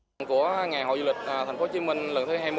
trong ngày hội du lịch thành phố hồ chí minh lần thứ hai mươi